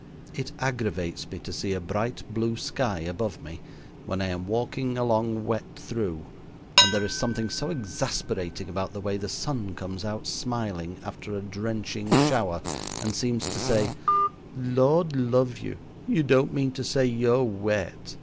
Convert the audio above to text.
It aggravates me to see a bright blue sky above me when I am walking along wet through, and there is something so exasperating about the way the sun comes out smiling after a drenching shower, and seems to say: "Lord love you, you don't mean to say you're wet?